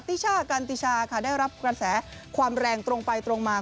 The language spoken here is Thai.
ติช่ากันติชาค่ะได้รับกระแสความแรงตรงไปตรงมา